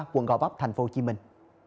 quận gò vấp thành phố hồ chí minh